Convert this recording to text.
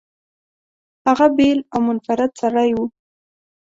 هغه بېل او منفرد سړی و.